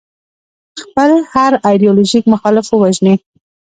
خپل هر ایدیالوژیک مخالف ووژني.